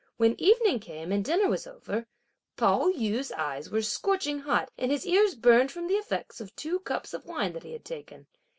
When evening came, and dinner was over, Pao yü's eyes were scorching hot and his ears burning from the effects of two cups of wine that he had taken.